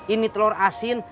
ini telur asin